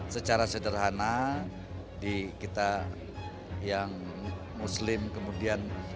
secara sederhana di kita yang muslim kemudian